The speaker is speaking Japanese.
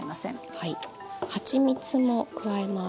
はちみつも加えます。